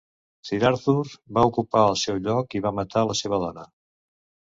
Sir Arthur va ocupar el seu lloc i va matar la seva dona.